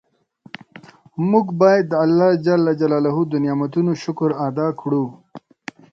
مونږ باید د الله ج د نعمتونو شکر ادا کړو.